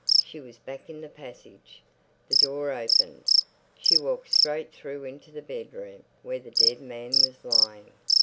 She was back in the passage. The door opened. She walked straight through into the bedroom, where the dead man was lying.